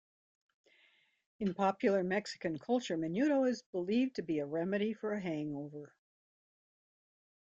In popular Mexican culture, Menudo is believed to be a remedy for hangover.